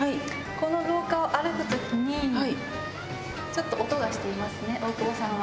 この廊下を歩く時にちょっと音がしていますね大久保さんは。